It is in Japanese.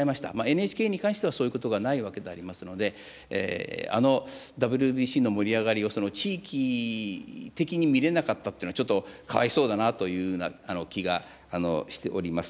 ＮＨＫに関してはそういうことがないわけでありますので、あのＷＢＣの盛り上がりをその地域的に見れなかったっていうのは、ちょっとかわいそうだなというふうな気がしております。